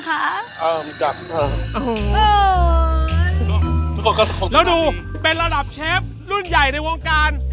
ทุกคนก็สงสัยดีแล้วดูเป็นระดับเชฟรุ่นใหญ่ในวงการ